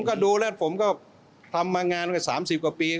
ผมก็ดูแล้วผมก็ทำมางานสามสิบกว่าปี